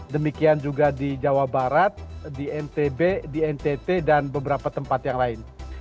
demikian juga di jawa barat di ntb di ntt dan beberapa tempat yang lain